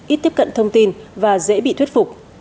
ít tiếp cận thông tin và dễ bị thuyết phục